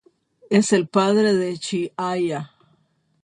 Es el padre de Chihaya.